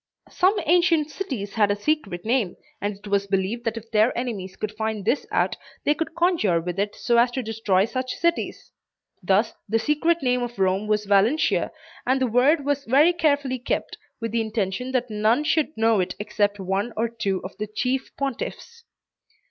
Some ancient cities had a secret name, and it was believed that if their enemies could find this out, they could conjure with it so as to destroy such cities. Thus, the secret name of Rome was Valentia, and the word was very carefully kept, with the intention that none should know it except one or two of the chief pontiffs.